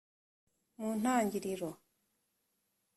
mu ntangiriro